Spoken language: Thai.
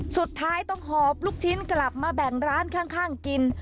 สุดท้ายต้องหอบลูกชิ้นกลับมาแบ่งร้านข้างกิน